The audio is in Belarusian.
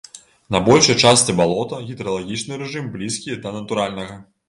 На большай частцы балота гідралагічны рэжым блізкі да натуральнага.